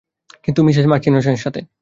কিন্তু মিসেস মার্চিসনের সাথে।